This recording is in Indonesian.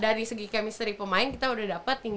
dari segi kemister pemain kita udah dapet